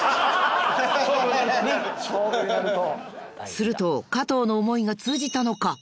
［すると加藤の思いが通じたのか］